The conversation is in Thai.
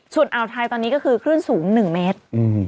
ส่วนอ่าวไทยตอนนี้ก็คือคลื่นสูง๑เมตร